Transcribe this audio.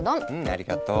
ありがとう。